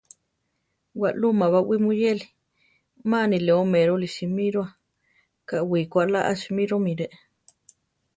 Walú ma bawí muyéli, ma ni le oméroli simíroa, káwi ko alá a simíromi re.